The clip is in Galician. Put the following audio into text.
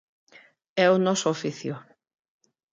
É o noso oficio.